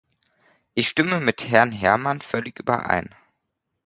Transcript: Ich stimme mit Herrn Herman völlig überein.